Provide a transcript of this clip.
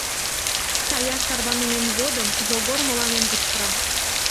Каяш тарванымем годым Йогор мыланем кычкыра: